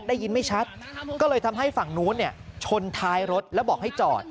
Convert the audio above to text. ได้ยินไม่ชัดก็เลยทำให้ฝั่งนู้นชนท้ายรถแล้วบอกให้จอด